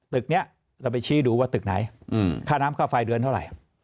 ตึกนี้เราไปชี้ดูว่าตึกไหนค่าน้ำค่าไฟเดือนเท่าไหร่